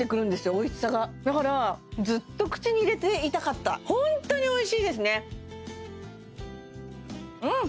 おいしさがだからずっと口に入れていたかったホントにおいしいですねうん！